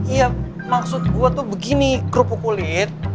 iya maksud gue tuh begini kerupuk kulit